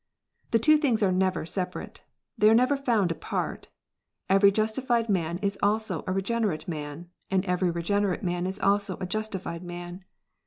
The two things are never separate. They are never found apart. Every justified man is also a regenerate man, and every IregPRerate man is also a justified man.